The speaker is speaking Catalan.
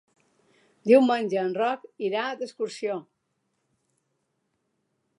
Diumenge en Roc irà d'excursió.